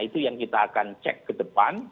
itu yang kita akan cek ke depan